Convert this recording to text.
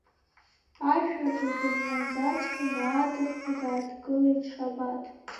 Ашәаҿы дымнаӡацкәаны адыхҳәа дааҭгылеит Шабаҭ.